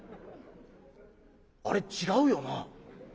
「あれ違うよな。